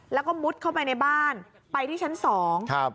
แล้วก็มุดเข้าไปในบ้านไปที่ชั้นสองครับ